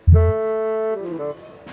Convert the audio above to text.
kamu mau ke rumah